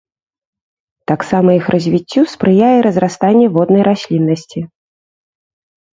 Таксама іх развіццю спрыяе разрастанне воднай расліннасці.